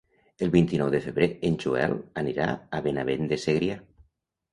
El vint-i-nou de febrer en Joel anirà a Benavent de Segrià.